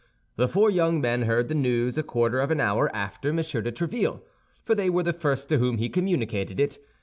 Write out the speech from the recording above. The four young men heard the news a quarter of an hour after M. de Tréville, for they were the first to whom he communicated it.